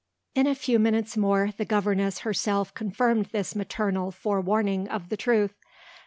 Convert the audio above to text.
In a few minutes more, the governess herself confirmed this maternal forewarning of the truth.